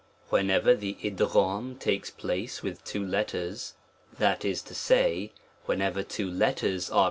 , o WHENEVER the Uaf takes place with two let* v ters., that is to say, whenever two letters arc?